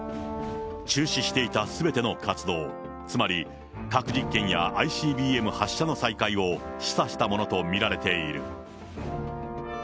中止していたすべての活動、つまり核実験やＩＣＢＭ発射の再開を示唆したものと見られている。